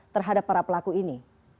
terhadap para pelaku ini